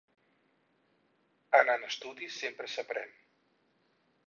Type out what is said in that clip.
Anant a estudi sempre s'aprèn.